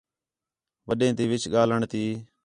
وݙّیں تے وِچ ڳاہلݨ تی